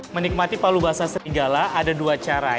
menikmati palubasa serigala ada dua cara